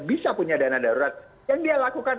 bisa punya dana darurat yang dia lakukan